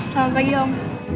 selamat pagi om